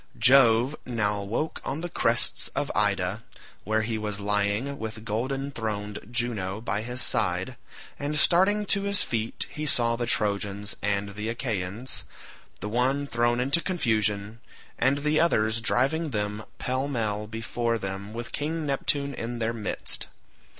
Jove now woke on the crests of Ida, where he was lying with golden throned Juno by his side, and starting to his feet he saw the Trojans and Achaeans, the one thrown into confusion, and the others driving them pell mell before them with King Neptune in their midst.